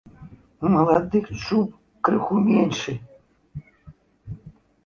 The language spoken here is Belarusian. У маладых чуб крыху меншы.